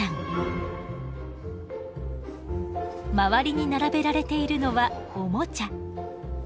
周りに並べられているのはおもちゃ。